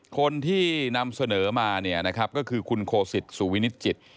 คนที่นำเสนอมาเนี่ยนะครับก็คือคุณโคสิตสุวินิจิต